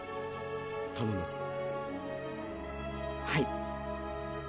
はい。